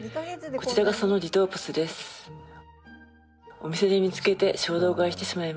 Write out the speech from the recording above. こちらがそのリトープスです。